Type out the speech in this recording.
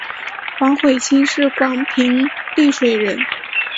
黄晦卿是广平丽水人。